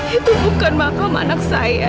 itu bukan makam anak saya